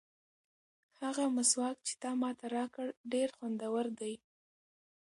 هغه مسواک چې تا ماته راکړ ډېر خوندور دی.